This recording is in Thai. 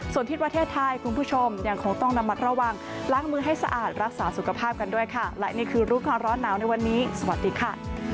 สวัสดีค่ะ